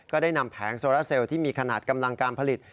ก็ได้นำแผงโซราเซลที่มีขนาดกำลังการผลิต